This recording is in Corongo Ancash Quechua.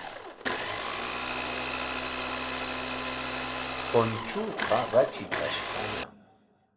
Punchuuqa ratrikashqañam.